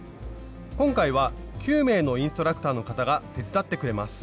今回は９名のインストラクターの方が手伝ってくれます。